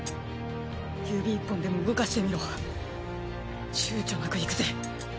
指１本でも動かしてみろちゅうちょなくいくぜ。